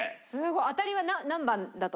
当たりは何番だと？